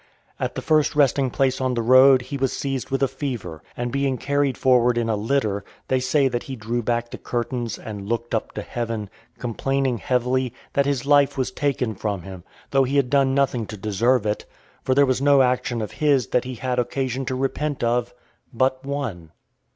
At the first resting place on the road, he was seized with a fever, and being carried forward in a litter, they say that he drew back the curtains, and looked up to heaven, complaining heavily, "that his life was taken from him, though he had done nothing to deserve it; for there was no action of his that he had occasion to repent of, but one."